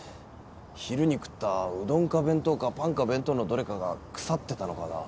昼に食ったうどんか弁当かパンか弁当のどれかが腐ってたのかなぁ？